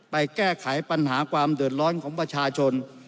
แก้ไขปัญหาความเดือดร้อนของประชาชน